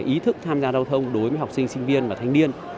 ý thức tham gia giao thông đối với học sinh sinh viên và thanh niên